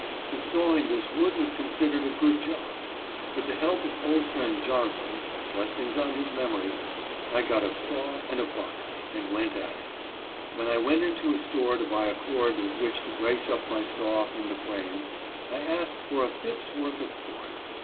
The sawing this wood was considered a good job. With the help of old Friend Jolmson (blessings on his memory!) I got a "saw" and " buck" and went at it. When I went into a store to buy a cord with which to brace up my saw in the frame, I asked for a "ftp's" worth of cord.